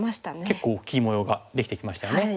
結構大きい模様ができてきましたね。